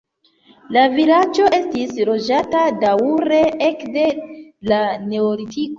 La vilaĝo estis loĝata daŭre ekde la neolitiko.